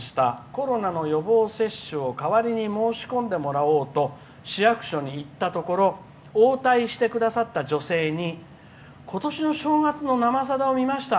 コロナの予防接種を代わりに申し込んでもらおうと市役所に行ったところ応対してくださった女性にことしの正月の「生さだ」を見ました